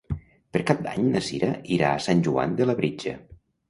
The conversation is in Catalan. Per Cap d'Any na Cira irà a Sant Joan de Labritja.